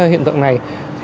hiện tượng này